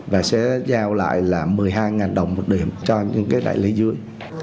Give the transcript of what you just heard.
và sẽ giao lại là một mươi hai đồng một điểm cho những cái đại lý dưới